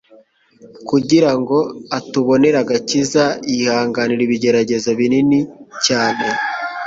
kugira ngo atubonere agakiza, yihanganira ibigeragezo binini cyane,